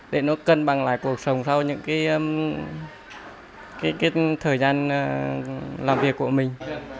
để nó cân bằng lại cuộc sống sau những cái thời gian làm việc của mình